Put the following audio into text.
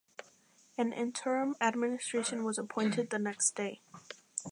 An interim administration was appointed the next day.